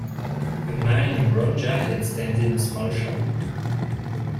A man in a brown jacket stands in a small shop.